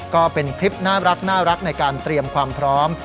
ก็เป็นคลิปน่ารักในการเตรียมความพร้อม